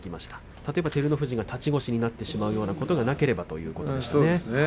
例えば照ノ富士が立ち腰になってしまうようなことがなければということですね。